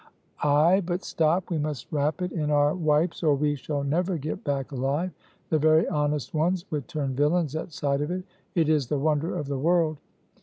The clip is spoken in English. "Ay! but stop, we must wrap it in our wipes or we shall never get back alive. The very honest ones would turn villains at sight of it. It is the wonder of the world."